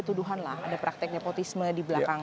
tuduhan lah ada praktek nepotisme di belakang